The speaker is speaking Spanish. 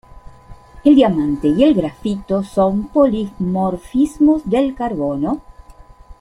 El diamante y el grafito son polimorfismos del carbono.